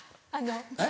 えっ？